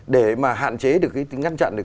để mà hạn chế được ngăn chặn được